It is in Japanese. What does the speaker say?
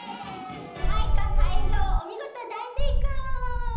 マイカタイゾウおみごとだいせいかい！